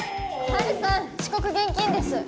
ハルさん遅刻厳禁です